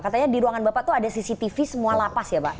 katanya di ruangan bapak tuh ada cctv semua lapas ya pak